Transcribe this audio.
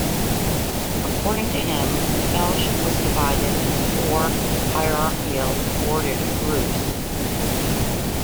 According to him, the fellowship was divided into four hierarchically ordered groups.